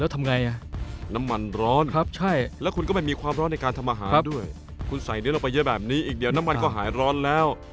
ถ้าคุณใส่เนื้อลงไปเย็นแบบนี้อีกเดี๋ยวน้ำมันก็หายร้อนแล้ว